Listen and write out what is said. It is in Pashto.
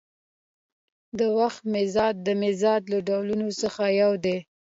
د وخت مزد د مزد له ډولونو څخه یو ډول دی